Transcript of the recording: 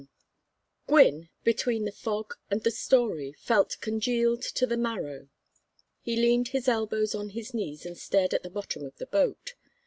XI Gwynne, between the fog and the story, felt congealed to the marrow. He leaned his elbows on his knees and stared at the bottom of the boat.